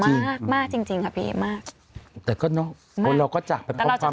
เออจริงค่ะพี่เอ๊มมาก